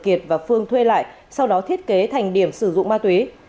kiệt và phương thuê lại sau đó thiết kế thành điểm sử dụng ma túy